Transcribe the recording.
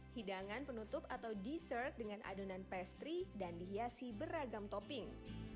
hidangan penutup atau dessert dengan adonan pastry dan dihiasi beragam topping